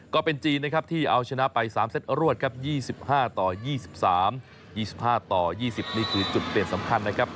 ก็เป็นจีนนะครับที่เอาชนะไป๓เซตรวดครับ๒๕ต่อ๒๓๒๕ต่อ๒๐นี่คือจุดเปลี่ยนสำคัญนะครับ